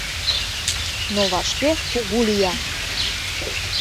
Но вашке кугу лият.